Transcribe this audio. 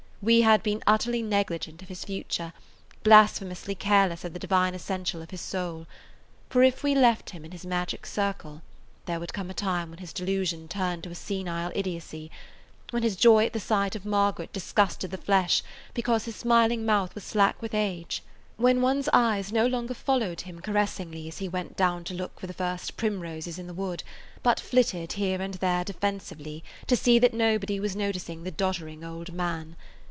We had been utterly negligent of his future, blasphemously careless of the divine essential of his soul. For if we left him in his magic circle there would come a time when his delusion turned to a senile idiocy; when his joy at the sight of Margaret disgusted the flesh because his smiling mouth was slack with age; when one's eyes no longer followed him caressingly as he went down to look for [Page 180] the first primroses in the wood, but flitted here and there defensively to see that nobody was noticing the doddering old man.